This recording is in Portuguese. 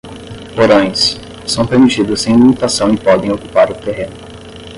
Porões: são permitidos sem limitação e podem ocupar o terreno.